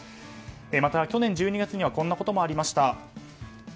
また、去年１２月にはこんなこともありました。